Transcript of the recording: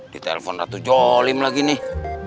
di telpon ratu jolim lagi nih